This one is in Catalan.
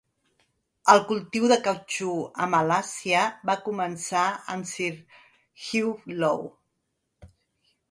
El cultiu de cautxú a Malàisia va començar amb Sir Hugh Low.